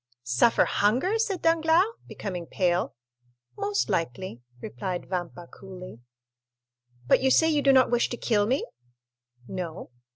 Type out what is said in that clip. "Suffer hunger?" said Danglars, becoming pale. "Most likely," replied Vampa coolly. "But you say you do not wish to kill me?" "No."